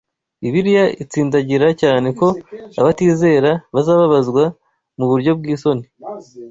Bibiliya itsindagira cyane ko abatizera bazababazwa mu buryo bw’isoni